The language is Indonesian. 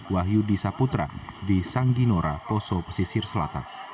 wahyu disa putra di sangginora poso pesisir selatan